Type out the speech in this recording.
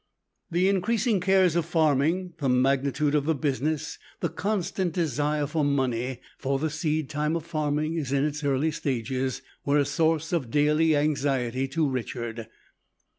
The increasing cares of farming, the magnitude of the business, the constant desire for money (for the seed time of farming is in its early stages), were a source of daily anxiety to Richard.